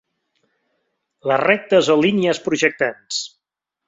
Les rectes o línies projectants.